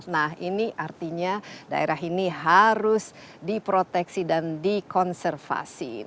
nah ini artinya daerah ini harus diproteksi dan dikonservasi